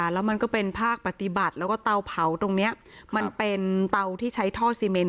แล้วมันก็เป็นภาคปฏิบัติแล้วก็เตาเผาตรงนี้มันเป็นเตาที่ใช้ท่อซีเมน